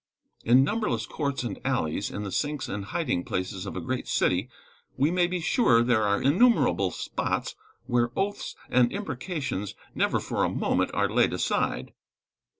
In numberless courts and alleys, in the sinks and hiding places of a great city, we may be sure there are innumerable spots where oaths and imprecations never for a moment are laid aside.